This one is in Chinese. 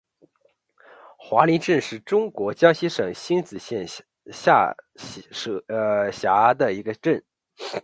华林镇是中国江西省星子县下辖的一个镇。